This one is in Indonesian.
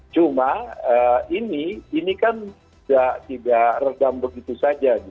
cuma ini kan tidak redam begitu saja